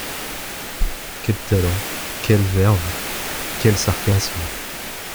Quel talent ! quelle verve ! quel sarcasme !